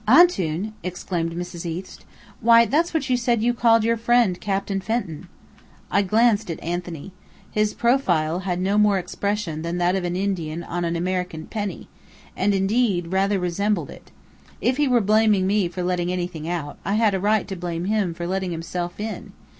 "Antoun!" exclaimed Mrs. East. "Why, that's what you said you called your friend Captain Fenton." I glanced at Anthony. His profile had no more expression than that of an Indian on an American penny, and, indeed, rather resembled it. If he were blaming me for letting anything out, I had a right to blame him for letting himself in.